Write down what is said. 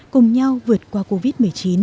cùng nhau vượt qua covid một mươi chín